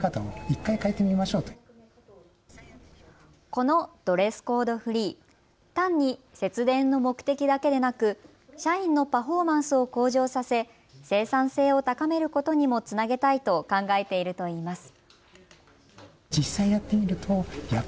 このドレスコードフリー、単に節電の目的だけでなく社員のパフォーマンスを向上させ生産性を高めることにもつなげたいと考えているといいます。